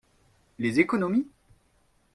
Les économies?